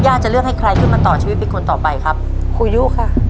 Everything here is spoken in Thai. จะเลือกให้ใครขึ้นมาต่อชีวิตเป็นคนต่อไปครับครูยุค่ะ